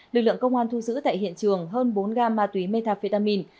lực lượng công an thu giữ tại hiện trường hơn bốn gam ma túy metafetamin